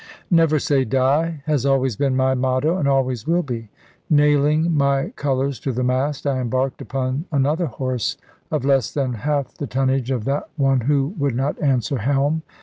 "Never say die" has always been my motto, and always will be: nailing my colours to the mast, I embarked upon another horse of less than half the tonnage of that one who would not answer helm.